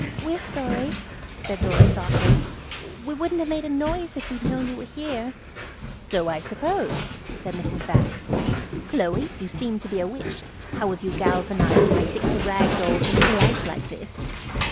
"We're sorry," said Dora, softly; "we wouldn't have made a noise if we'd known you were here." "So I suppose," said Mrs. Bax. "Chloe, you seem to be a witch. How have you galvanised my six rag dolls into life like this?"